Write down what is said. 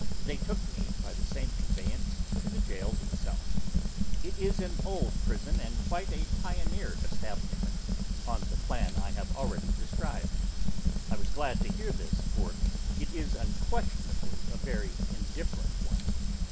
They took me, by the same conveyance, to the jail itself. It is an old prison, and quite a pioneer establishment, on the plan I have already described. I was glad to hear this, for it is unquestionably a very indifferent one.